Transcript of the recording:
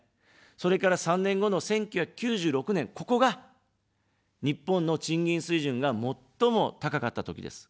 それから３年後の１９９６年、ここが、日本の賃金水準が最も高かったときです。